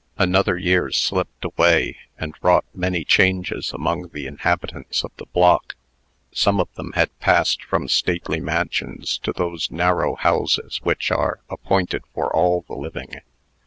Another year slipped away, and wrought many changes among the inhabitants of the block. Some of them had passed from stately mansions to those narrow houses which are appointed for all the living.